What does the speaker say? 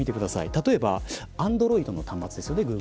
例えば、アンドロイドの端末ですよね。